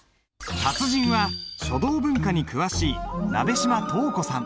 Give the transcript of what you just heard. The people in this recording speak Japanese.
達人は書道文化に詳しい鍋島稲子さん。